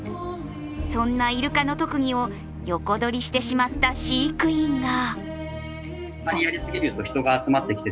そんなイルカの特技を横取りしてしまった飼育員が。